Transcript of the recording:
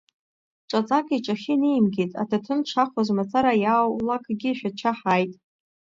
Ҿаҵак иҿахьы инеимгеит, аҭаҭын дшахоз мацара иааулакгьы Шәача ҳааит.